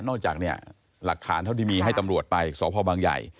จากเนี่ยหลักฐานเท่าที่มีให้ตำรวจไปสพบางใหญ่